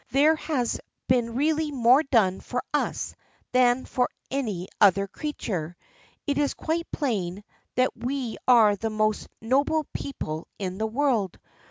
There has been really more done for us than for any other creature; it is quite plain that we are the most noble people in the world.